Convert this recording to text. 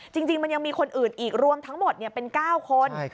จริงมันยังมีคนอื่นอีกรวมทั้งหมดเป็น๙คน